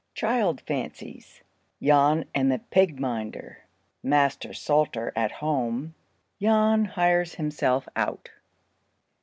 —CHILD FANCIES.—JAN AND THE PIG MINDER.—MASTER SALTER AT HOME.—JAN HIRES HIMSELF OUT.